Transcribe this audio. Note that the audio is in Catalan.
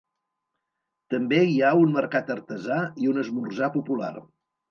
També hi ha un mercat artesà i un esmorzar popular.